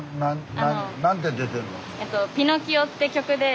なんて出てんの？